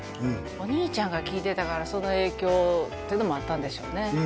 お兄ちゃんが聴いてたからその影響っていうのもあったんでしょうね